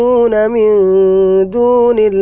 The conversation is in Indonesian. yang menjadi orang di indonesia